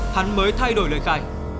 hắn mới thay đổi lời khai